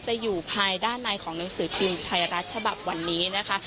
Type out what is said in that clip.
อยู่ภายด้านในของหนังสือพิมพ์ไทยรัฐฉบับวันนี้นะคะ